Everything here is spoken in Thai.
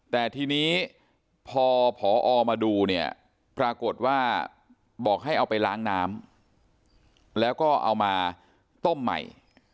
แต่ทีนี้พอผอมาดูเนี่ยปรากฏว่าบอกให้เอาไปล้างน้ำแล้วก็เอามาต้มใหม่